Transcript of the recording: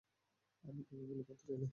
আমি তাকে গুলি করতে চাইনি।